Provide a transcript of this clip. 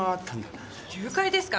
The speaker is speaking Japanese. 誘拐ですか！？